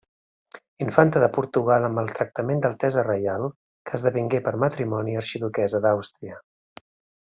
Infanta de Portugal amb el tractament d'altesa reial que esdevingué per matrimoni arxiduquessa d'Àustria.